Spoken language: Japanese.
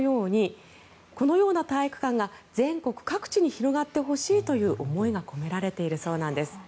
このような体育館が全国各地に広がってほしいという思いが込められているそうなんです。